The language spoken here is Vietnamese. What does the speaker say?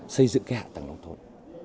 xây dựng hạ tầng nông thôn